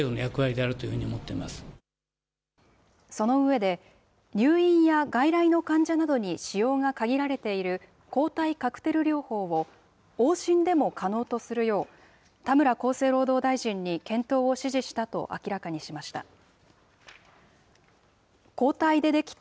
その上で、入院や外来の患者などに使用が限られている抗体カクテル療法を、往診でも可能とするよう、田村厚生労働大臣に検討を指示したと明らかにしました。